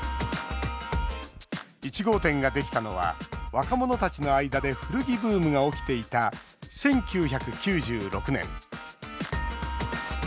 １号店ができたのは若者たちの間で古着ブームが起きていた１９９６年。